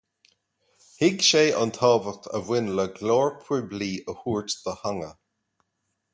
Thuig sé an tábhacht a bhain le glór poiblí a thabhairt do theanga.